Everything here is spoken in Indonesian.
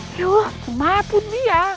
aduh mati dia